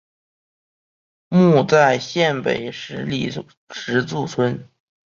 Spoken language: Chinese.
墓在县北十里石柱村。